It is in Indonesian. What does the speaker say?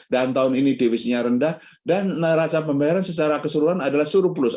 dan tahun ini divisinya rendah dan raca pembayaran secara keseluruhan adalah surplus